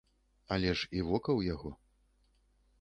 Але ж і вока ў яго.